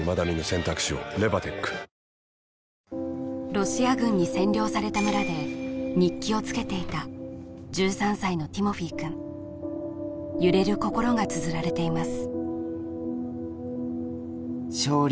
ロシア軍に占領された村で日記をつけていた１３歳のティモフィーくん揺れる心が綴られています